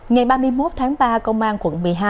ngày ba mươi một tháng ba công an quận một mươi hai